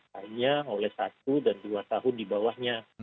hanya oleh satu dan dua tahun di bawahnya